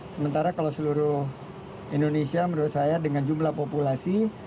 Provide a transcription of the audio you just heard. sementara kalau seluruh indonesia menurut saya dengan jumlah populasi